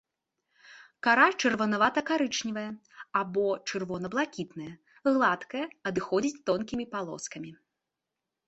Кара чырванавата-карычневая або чырвона-блакітная, гладкая, адыходзіць тонкімі палоскамі.